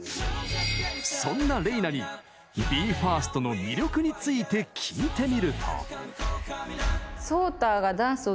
そんなＲｅｉＮａにＢＥ：ＦＩＲＳＴの魅力について聞いてみると。